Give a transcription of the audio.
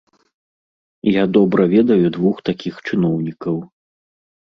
Я добра ведаю двух такіх чыноўнікаў.